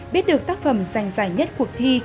biết được tác phẩm dành dài nhất cuộc thi